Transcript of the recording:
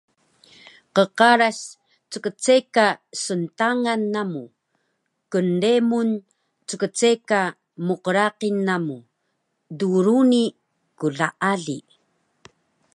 Qqaras ckceka sntangan namu. Knremun ckceka mqraqil namu. Druni klaali